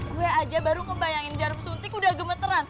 gue aja baru ngebayangin jarum suntik udah gemeteran